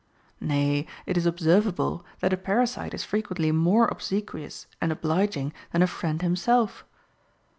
Nay, it is observ able, that a parasite is frequently more obsequious and obliging than a friend himself.